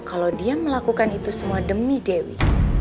kalau dia melakukan itu semua demi dewi